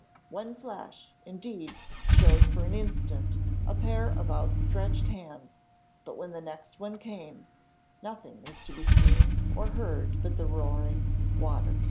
One flash, indeed, showed for an instant a pair of outstretched hands; but when the next one came, nothing was to be seen or heard but the roaring waters.